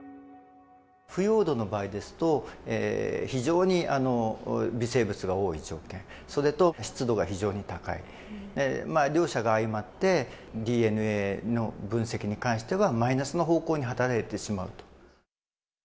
腐葉土の場合ですと、非常に微生物が多い条件、それと湿度が非常に高い。両者が相まって、ＤＮＡの分析に関しては、マイナスの方向に働いてしまうと。